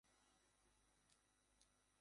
না, দরকার নেই।